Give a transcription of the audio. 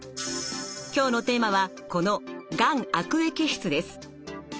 今日のテーマはこの「がん悪液質」です。